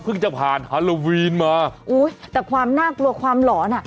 จะผ่านฮาโลวีนมาอุ้ยแต่ความน่ากลัวความหลอนอ่ะ